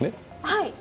はい。